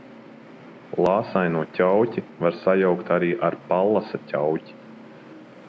Lāsaino ķauķi var sajaukt arī ar Pallasa ķauķi.